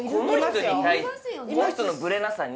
この人のブレなさに。